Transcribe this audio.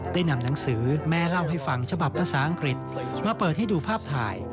ได้นำหนังสือแม่เล่าให้ฟังฉบับภาษาอังกฤษมาเปิดให้ดูภาพถ่าย